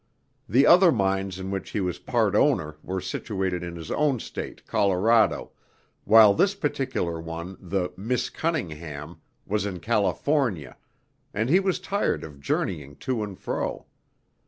The other mines in which he was part owner were situated in his own state, Colorado, while this particular one, the "Miss Cunningham," was in California, and he was tired of journeying to and fro.